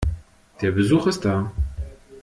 Der Besuch ist da.